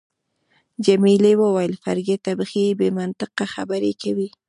جميلې وويل: فرګي، ته بیخي بې منطقه خبرې کوي.